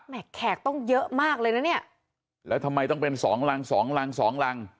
แขกต้องเยอะมากเลยนะเนี่ยแล้วทำไมต้องเป็นสองรังสองรังสองรัง